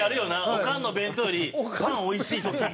オカンの弁当よりパンおいしい時。